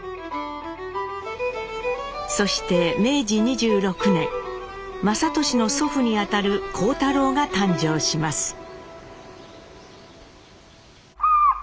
そして明治２６年雅俊の祖父にあたる幸太郎が誕生します。